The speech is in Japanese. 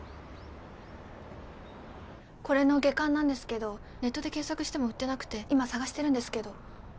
これの下巻なんですけどネットで検索しても売ってなくて今探してるんですけど。